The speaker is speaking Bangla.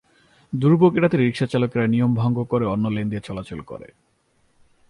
দুর্ভোগ এড়াতে রিকশাচালকেরা নিয়ম ভঙ্গ করে অন্য লেন দিয়ে চলাচল করে।